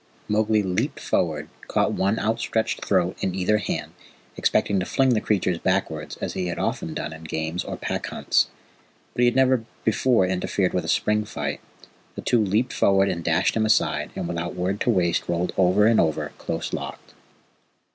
Mowgli leaped forward, caught one outstretched throat in either hand, expecting to fling the creatures backward as he had often done in games or Pack hunts. But he had never before interfered with a spring fight. The two leaped forward and dashed him aside, and without word to waste rolled over and over close locked.